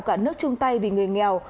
cả nước trung tây vì người nghèo